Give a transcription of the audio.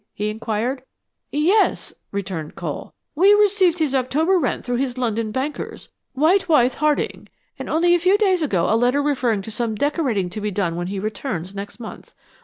he inquired. "Yes," returned Cole. "We received his October rent through his London bankers, White, Wyth, Harding; and only a few days ago, a letter referring to some decorating to be done when he returns next month.